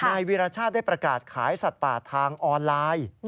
นายวีรชาติได้ประกาศขายสัตว์ป่าทางออนไลน์